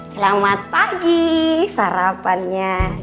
selamat pagi sarapannya